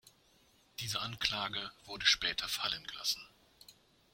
Diese Anklage wurde später fallengelassen.